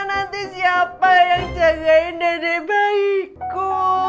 nanti siapa yang jagain dada baikku